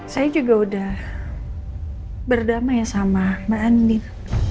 saya juga udah berdamai sama mbak andif